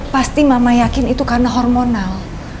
pasti mama yakin itu karena hormonal